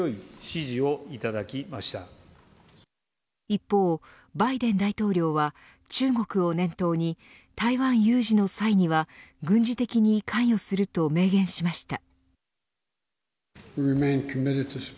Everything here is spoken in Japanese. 一方、バイデン大統領は中国を念頭に台湾有事の際には軍事的に関与すると明言しました。